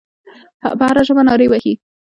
په هره ژبه نارې وهي.